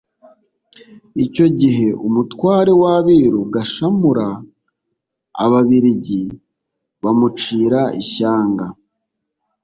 icyo gihe umutware w'abiru gashamura ababiligi bamucira ishyanga